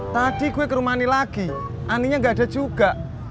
tadi gue ke rumah ani lagi aninya gak ada juga